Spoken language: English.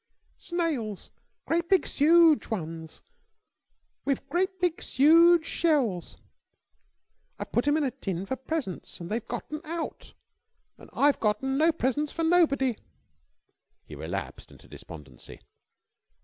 "Snails. Great big suge ones wiv great big suge shells. I put 'em in a tin for presents an' they've gotten out an' I've gotten no presents for nobody." He relapsed into despondency.